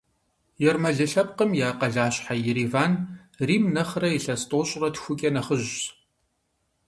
Ермэлы лъэпкъым я къалащхьэ Ереван Рим нэхъырэ илъэс тӏощӏрэ тхукӏэ нэхъыжьщ.